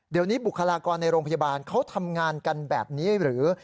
เดี๋ยวนี้บุคลากรในโรงพยาบาลเขาทำงานกันแบบนี้หรือ